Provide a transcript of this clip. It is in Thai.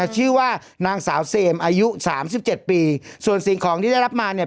ชื่อว่านางสาวเซมอายุสามสิบเจ็ดปีส่วนสิ่งของที่ได้รับมาเนี่ย